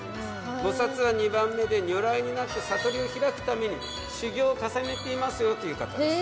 菩薩は２番目で如来になって悟りを開くために修行を重ねていますという方。